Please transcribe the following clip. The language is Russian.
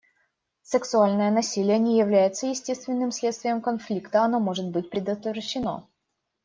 Сексуальное насилие не является естественным следствием конфликта, оно может быть предотвращено.